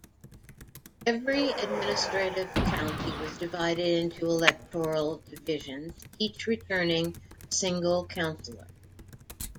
Every administrative county was divided into electoral divisions, each returning a single councillor.